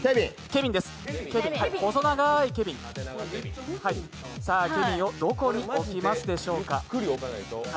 ケビンをどこに置きますでしょうか。